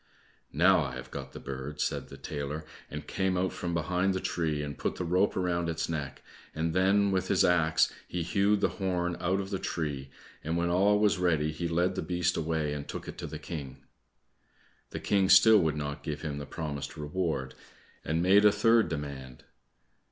"Now, I have got the bird," said the tailor, and came out from behind the tree and put the rope round its neck, and then with his axe he hewed the horn out of the tree, and when all was ready he led the beast away and took it to the King. The King still would not give him the promised reward, and made a third demand.